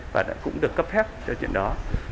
và cũng được cấp phép cho chuyện đó